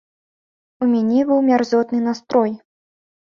У мяне быў мярзотны настрой.